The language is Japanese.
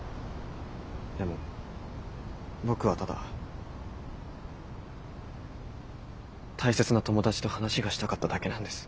でも僕はただ大切な友達と話がしたかっただけなんです。